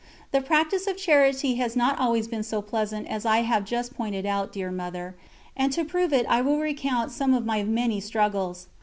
The practice of charity has not always been so pleasant as I have just pointed out, dear Mother, and to prove it I will recount some of my many struggles.